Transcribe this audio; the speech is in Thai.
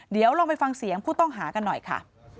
เดี๋ยวลองไปฟังเสียงผู้ต้องหากันหน่อยค่ะ